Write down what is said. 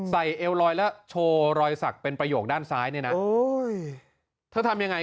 เอวลอยแล้วโชว์รอยสักเป็นประโยคด้านซ้ายเนี่ยนะโอ้ยเธอทำยังไง